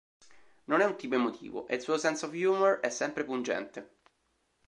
Non è un tipo emotivo e il suo "sense of humour" è sempre pungente.